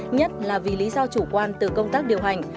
nhất là vì lý do chủ quan từ công tác điều hành